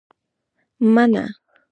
🍏 مڼه